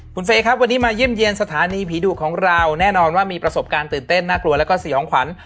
คุณเฟย์ครับวันนี้มาเยี่ยมเยี่ยมสถานีผีดุของเราแน่นอนว่ามีประสบการณ์ตื่นเต้นน่ากลัวแล้วก็สยองขวัญ